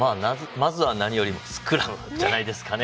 まずは何よりスクラムじゃないですかね。